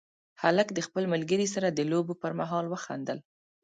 هلک د خپل ملګري سره د لوبو پر مهال وخندل.